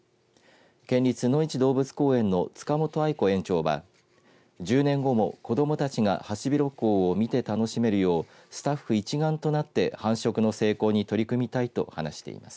県立のいち動物公園の塚本愛子園長は１０年後も子どもたちがハシビロコウ見て楽しめるようスタッフ一丸となって繁殖の成功に取り組みたいと話しています。